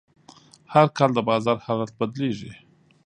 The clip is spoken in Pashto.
هر کال د بازار حالت بدلېږي.